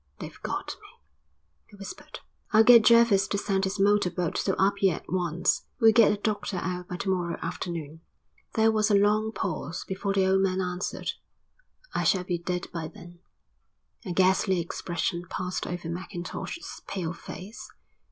"They've got me," he whispered. "I'll get Jervis to send his motor boat to Apia at once. We'll get a doctor out by to morrow afternoon." There was a long pause before the old man answered, "I shall be dead by then." A ghastly expression passed over Mackintosh's pale face.